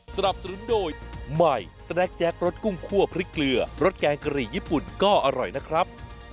สนับสนุนโดยใหม่สแนคแจ็ครสกุ้งคั่วพริกเกลือรสแกงกะหรี่ญี่ปุ่นก็อร่อยนะครับ